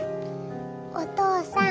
お父さん。